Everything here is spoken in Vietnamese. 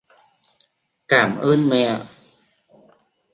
Cảm ơn mẹ